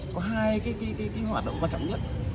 có hai cái hoạt động quan trọng nhất